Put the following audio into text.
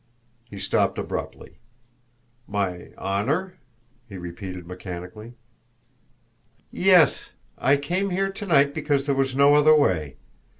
He stopped abruptly. "My honour?" he repeated mechanically. "Yes! I came here to night because there was no other way.